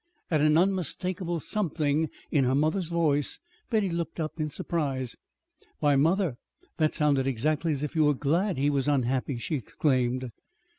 At an unmistakable something in her mother's voice Betty looked up in surprise. "Why, mother, that sounded exactly as if you were glad he was unhappy!" she exclaimed.